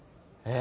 え？